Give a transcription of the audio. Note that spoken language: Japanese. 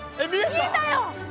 見えたよ。